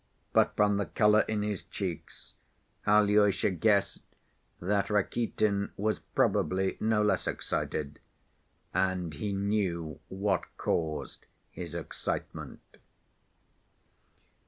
But from the color in his cheeks Alyosha guessed that Rakitin was probably no less excited, and he knew what caused his excitement.